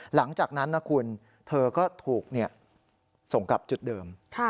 หลังจากนั้นนะคุณเธอก็ถูกส่งกลับจุดเดิม